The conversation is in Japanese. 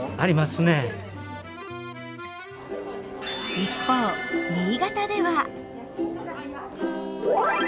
一方新潟では。